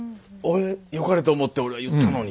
えよかれと思って俺は言ったのにと。